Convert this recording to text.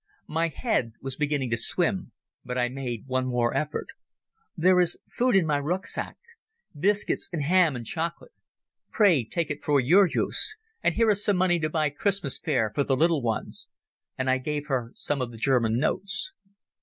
My head was beginning to swim, but I made one more effort. "There is food in my rucksack—biscuits and ham and chocolate. Pray take it for your use. And here is some money to buy Christmas fare for the little ones." And I gave her some of the German notes.